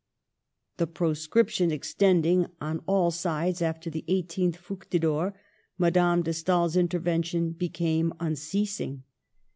The proscription extending on all sides after the 18th Fructidor, Madame de Stael's intervention became unceasing.